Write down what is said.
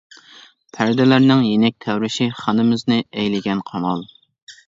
پەردىلەرنىڭ يېنىك تەۋرىشى، خانىمىزنى ئەيلىگەن قامال.